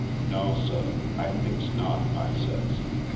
"Naw suh, I thinks not," I says.